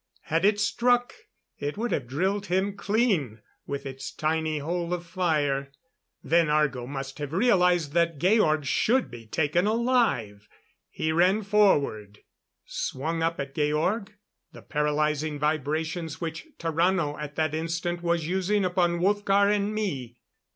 Had it struck, it would have drilled him clean with its tiny hole of fire. Then Argo must have realized that Georg should be taken alive. He ran forward, swung up at Georg the paralyzing vibrations which Tarrano at that instant was using upon Wolfgar and me.